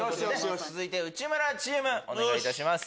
続いて内村チームお願いいたします。